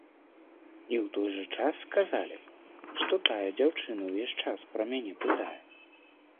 І ў той жа час сказалі, што тая дзяўчына ўвесь час пра мяне пытае.